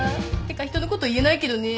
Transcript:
てか人のこと言えないけどね。